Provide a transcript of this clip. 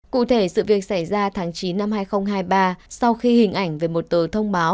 cụ thể sự việc xảy ra tháng chín năm hai nghìn hai mươi ba sau khi hình ảnh về một tờ thông báo